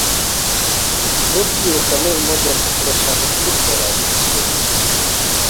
Ntukirukane imodoka. Turashaka kubikora bigishoboka.